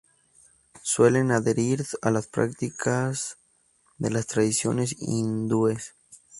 Suelen adherir a las prácticas de las tradiciones hindúes.